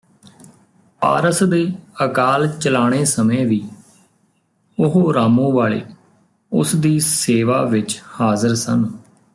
ਪਾਰਸ ਦੇ ਅਕਾਲ ਚਲਾਣੇ ਸਮੇਂ ਵੀ ਉਹ ਰਾਮੂਵਾਲੇ ਉਸ ਦੀ ਸੇਵਾ ਵਿਚ ਹਾਜ਼ਰ ਸਨ